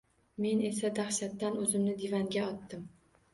Men esa dahshatdan oʻzimni divanga otdim.